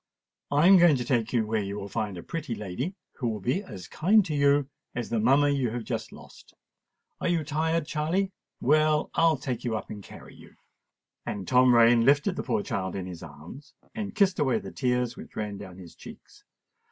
I am going to take you where you will find a pretty lady, who will be as kind to you as the mamma you have just lost. Are you tired, Charley? Well, I'll take you up and carry you." And Tom Rain lifted the poor child in his arms and kissed away the tears which ran down his cheeks.